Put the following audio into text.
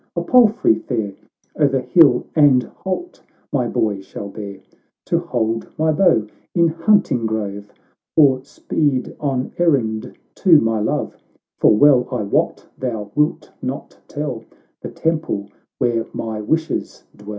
— a palfrey fair O'er hill and holt my boy shall bear, To hold my bow in hunting grove, Or speed on errand to my love ; For well I wot thou wilt not tell The temple where my wishes dwell."